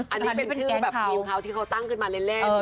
อันนี้เป็นชื่อแบบทีมเขาที่เขาตั้งขึ้นมาเล่น